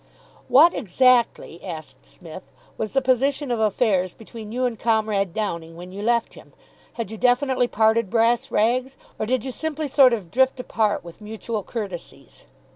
"What exactly," asked Psmith, "was the position of affairs between you and Comrade Downing when you left him? Had you definitely parted brass rags? Or did you simply sort of drift apart with mutual courtesies?"